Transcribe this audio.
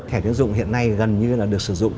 thẻ tiến dụng hiện nay gần như là được sử dụng